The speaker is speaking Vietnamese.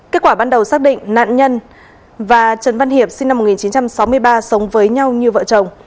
kết quả ban đầu xác định nạn nhân và trần văn hiệp sinh năm một nghìn chín trăm sáu mươi ba sống với nhau như vợ chồng